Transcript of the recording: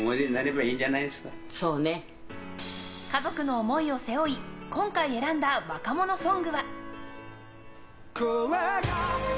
家族の思いを背負い今回、選んだ若者ソングは。